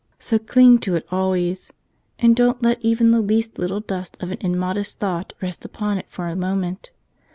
So cling to it always. And don't let even the least little dust of an immodest thought rest upon it for a moment.